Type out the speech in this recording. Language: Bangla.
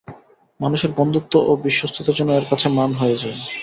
মানুষের বন্ধুত্ব ও বিশ্বস্ততা যেন এর কাছে মান হয়ে যায়।